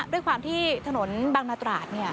ด้วยความที่ถนนบางนาตราด